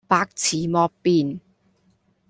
百辭莫辯